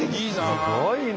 すごいね！